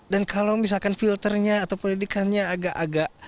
dan kalau misalkan filternya atau pendidikannya agak agak